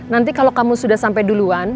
nanti kalau kamu sudah sampai duluan